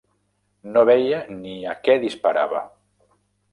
No veia ni a què disparava!